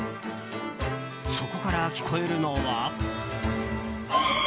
そこから聞こえるのは。